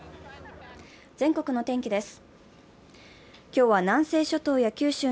全国の天気です。